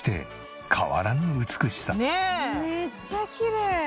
めっちゃきれい。